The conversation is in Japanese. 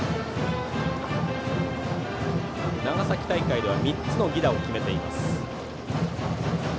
長崎大会では３つの犠打を決めています。